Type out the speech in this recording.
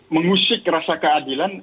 mengusik rasa keadilan